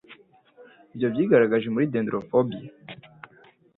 Ibyo byigaragaje muri dendrophobia.